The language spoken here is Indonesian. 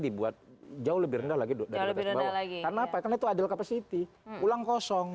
dibuat jauh lebih rendah lagi lebih rendah lagi karena apa itu ada kapasiti pulang kosong